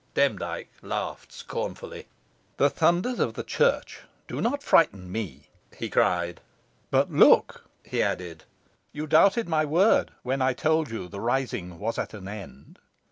Demdike laughed scornfully. "The thunders of the Church do not frighten me," he cried. "But, look," he added, "you doubted my word when I told you the rising was at an end.